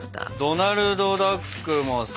ドナルドダックも好き。